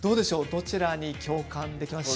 どちらに共感できますか？